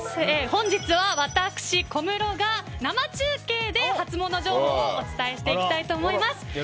本日は私、小室が生中継でハツモノ情報をお伝えしていきたいと思います。